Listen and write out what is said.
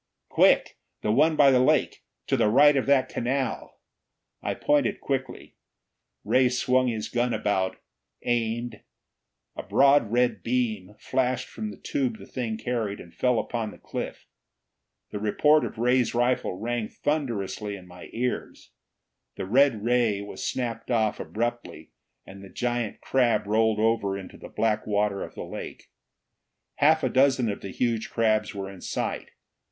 "Quick! The one by the lake! To the right of that canal!" I pointed quickly. Ray swung his gun about, aimed. A broad red beam flashed from the tube the thing carried, and fell upon the cliff. The report of Ray's rifle rang thunderously in my ears. The red ray was snapped off abruptly, and the giant crab rolled over into the black water of the lake. Half a dozen of the huge crabs were in sight.